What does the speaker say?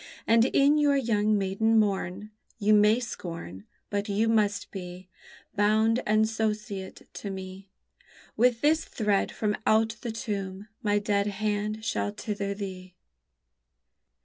And in your young maiden morn, You may scorn, But you must be Bound and sociate to me; With this thread from out the tomb my dead hand shall tether thee!